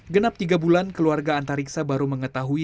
genap tiga bulan keluarga anta riksa baru mengetahui